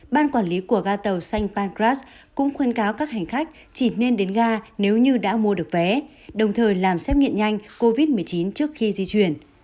ban quản lý của ga tàu sanh pancras cũng khuyên cáo các hành khách chỉ nên đến ga nếu như đã mua được vé đồng thời làm xét nghiệm nhanh covid một mươi chín trước khi di chuyển